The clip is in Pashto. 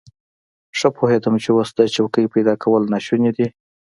ښه پوهېدم چې اوس د څوکۍ پيدا کول ناشوني دي.